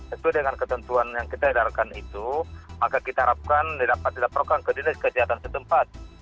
sesuai dengan ketentuan yang kita edarkan itu maka kita harapkan dapat dilaporkan ke dinas kesehatan setempat